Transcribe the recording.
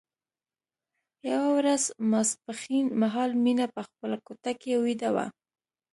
یوه ورځ ماسپښين مهال مينه په خپله کوټه کې ويده وه